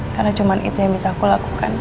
karena cuma itu yang bisa aku lakukan